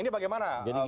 ini bagaimana pak yabtavi